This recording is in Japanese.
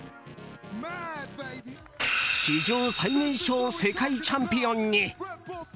史上最年少世界チャンピオンに。